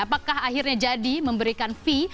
apakah akhirnya jadi memberikan fee